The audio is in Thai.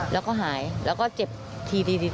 แล้วก็หายแล้วก็เจ็บทีดี